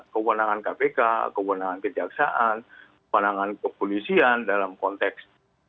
kewenangan kpk kewenangan kejaksaan kewenangan kepolisian dalam konteks